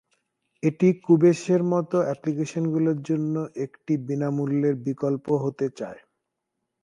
এটি কুবেসের মতো অ্যাপ্লিকেশনগুলির জন্য একটি বিনামূল্যের বিকল্প হতে চায়।